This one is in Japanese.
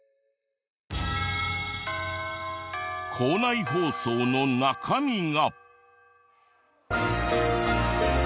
校内放送の中身が。